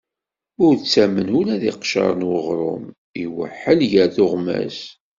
Ur ttamen ula d iqcer n uɣrum: iweḥḥel ger tuɣmas.